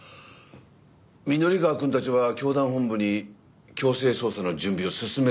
御法川くんたちは教団本部に強制捜査の準備を進めてるそうだよ。